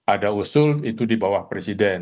ada usul itu di bawah presiden